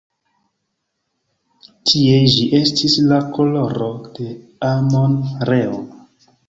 Tie ĝi estis la koloro de Amon-Reo.